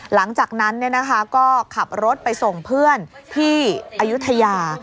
หลังจากนั้นก็ขับรถไปส่งเพื่อนที่อายุทยา